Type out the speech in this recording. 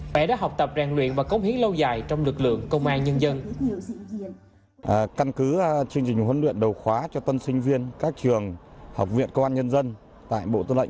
khỏe đã học tập ràng luyện và công hiến lâu dài trong lực lượng công an nhân dân